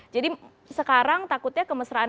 jadi sekarang takutnya kemesraan